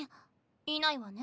いないわね。